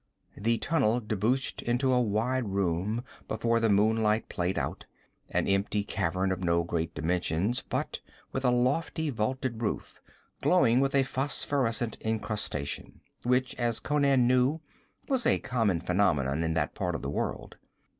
The tunnel debouched into a wide room before the moonlight played out, an empty cavern of no great dimensions, but with a lofty, vaulted roof, glowing with a phosphorescent encrustation, which, as Conan knew, was a common phenomenon in that part of the world.